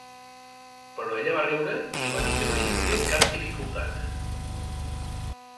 Però ella va riure i va dir que no hi hauria cap dificultat.